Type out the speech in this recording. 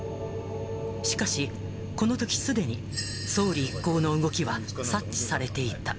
しかし、このときすでに、総理一行の動きは察知されていた。